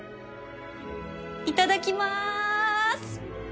いただきます！